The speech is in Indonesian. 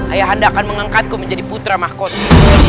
ayah anda akan mengangkatku menjadi putra mahkota